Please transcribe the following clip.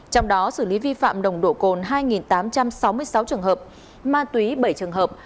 trong đó xử lý vi phạm nồng độ cồn hai tám trăm sáu mươi sáu trường hợp ma túy bảy trường hợp